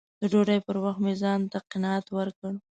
د ډوډۍ پر وخت مې ځان ته قناعت ورکړ